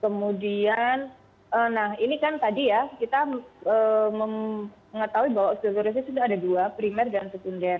kemudian nah ini kan tadi ya kita mengetahui bahwa osteorisnya sudah ada dua primer dan sekunder